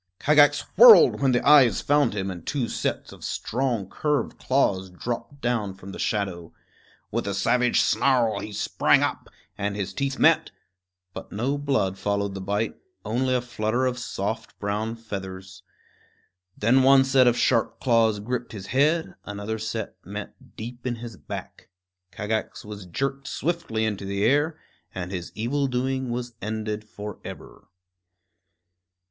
Kagax whirled when the eyes found him and two sets of strong curved claws dropped down from the shadow. With a savage snarl he sprang up, and his teeth met; but no blood followed the bite, only a flutter of soft brown feathers. Then one set of sharp claws gripped his head; another set met deep in his back. Kagax was jerked swiftly into the air, and his evil doing was ended forever.